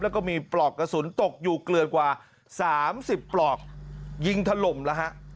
แล้วก็มีปลอกกระสุนตกอยู่เกลือดกว่า๓๐ปลอกยิงถล่มแล้วฮะ